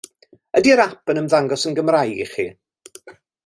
Ydy'r ap yn ymddangos yn Gymraeg i chi?